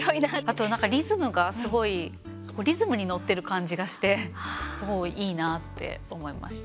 あとリズムがすごいリズムに乗ってる感じがしてすごい、いいなって思いました。